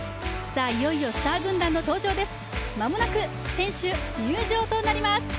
さあ、いよいよスター軍団の登場です。